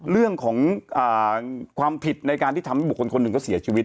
เรื่องของความผิดในการที่ทำให้บุคคลคนหนึ่งก็เสียชีวิต